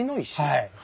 はい。